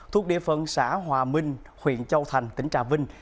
thuộc địa phận xã hòa minh huyện châu thành tỉnh trà vinh